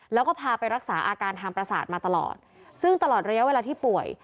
แล้วก็พาไปรักษาอาการทางประสาทมาตลอดซึ่งตลอดระยะเวลาที่ป่วย